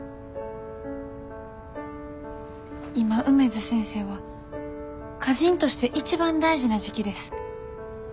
今梅津先生は歌人として一番大事な時期です。